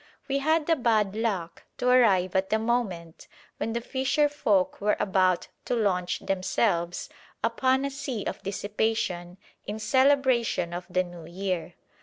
We had the bad luck to arrive at the moment when the fisher folk were about to launch themselves upon a sea of dissipation in celebration of the New Year.